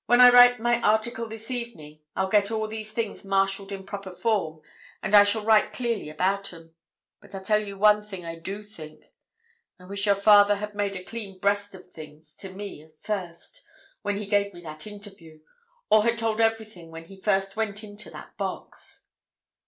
When I write my article this evening, I'll get all these things marshalled in proper form, and I shall write clearly about 'em. But I'll tell you one thing I do think—I wish your father had made a clean breast of things to me at first, when he gave me that interview, or had told everything when he first went into that box."